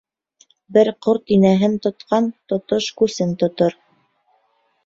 Бер ҡорт инәһен тотҡан тотош күсен тотор.